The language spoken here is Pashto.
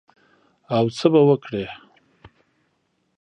او څه به وکړې؟